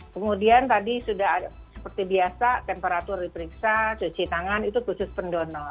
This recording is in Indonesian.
kemudian tadi sudah seperti biasa temperatur diperiksa cuci tangan itu khusus pendonor